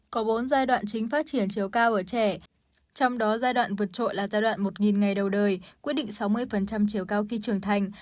có bốn giai đoạn chính phát triển chiều cao ở trẻ trong đó giai đoạn vượt trội là giai đoạn một ngày đầu đời quyết định sáu mươi chiều cao khi trưởng thành